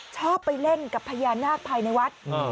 ชอบไปเล่นกับพญานาคภายในวัด